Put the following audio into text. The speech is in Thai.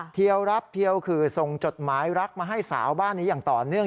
เที่ยวรับเทียวคือส่งจดหมายรักมาให้สาวบ้านนี้อย่างต่อเนื่อง